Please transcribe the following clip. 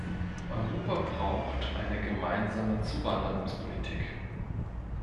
Europa braucht eine gemeinsame Zuwanderungspolitik.